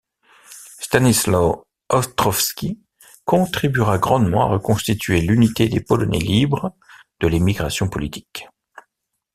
Stanislaw Ostrowski contribuera grandement à reconstituer l'unité des Polonais libres de l'émigration politique.